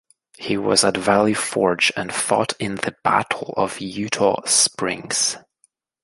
He was at Valley Forge and fought in the Battle of Eutaw Springs.